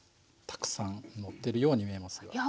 たくさんのってるように見えますが。